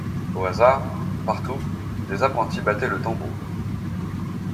Au hasard, partout, des apprentis battaient le tambour.